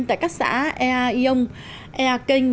tại các xã ea yông ea kênh